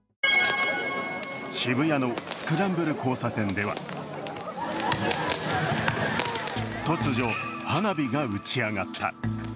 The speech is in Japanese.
渋谷のスクランブル交差点では突如花火が打ち上がった。